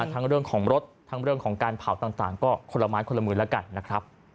ทั้งเรื่องของรถทั้งเรื่องของการเผาต่างก็คนละไม้คนละมือแล้วกันนะครับ